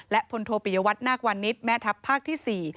และพลโทปิยวัตนาควันนิษฐ์แม่ทัพภาคที่๔